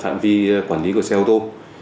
phạm vi quản lý của xe ô tô